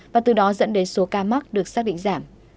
và từ đó dẫn đến số ca mắc được xác định giảm